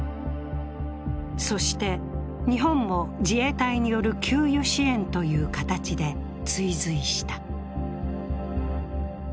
そして日本も自衛隊による給油支援という形で追随した。